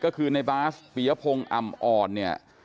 ก็คือในบาสเปียพงอ่ำอ่อน